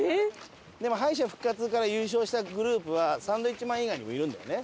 でも敗者復活から優勝したグループはサンドウィッチマン以外にもいるんだよね。